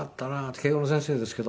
慶應の先生ですけど。